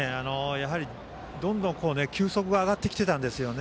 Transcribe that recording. どんどん球速が上がってきていたんですよね。